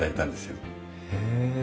へえ。